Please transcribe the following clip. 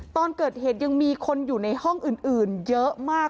ตอนเกิดเหตุยังมีคนอยู่ในห้องอื่นเยอะมาก